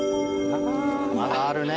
まだあるね。